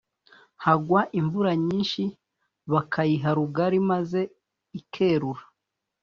hagwa imvura nyinshi bakayiha rugari maze ikerura